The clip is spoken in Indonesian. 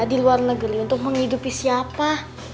di luar negeri untuk menghidupi siapa